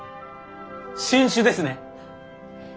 新種ですね！